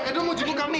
edo mau jemput kak mila